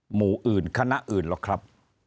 หมู่อื่นคณะอื่นหรอกครับ